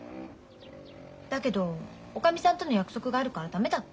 だけどおかみさんとの約束があるから駄目だって。